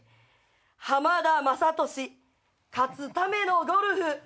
『浜田雅功勝つためのゴルフ』。